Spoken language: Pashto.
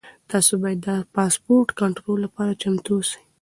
تاسو باید د پاسپورټ کنټرول لپاره چمتو اوسئ.